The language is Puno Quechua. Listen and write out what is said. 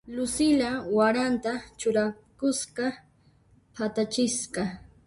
Lucila waranta churakuspa phatachisqa.